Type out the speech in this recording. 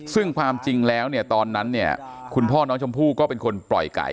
ซึ่งความจริงแล้วเนี่ยตอนนั้นเนี่ยคุณพ่อน้องชมพู่ก็เป็นคนปล่อยไก่